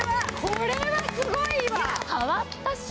これはすごいわ！